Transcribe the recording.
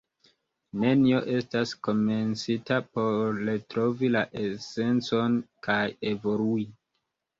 Nenio estas komencita por retrovi la esencon kaj evolui.